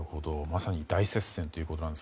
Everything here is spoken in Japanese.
まさに大接戦だと。